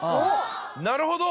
なるほど！